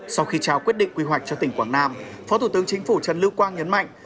sau khi trao quyết định quy hoạch cho tỉnh quảng nam phó thủ tướng chính phủ trần lưu quang nhấn mạnh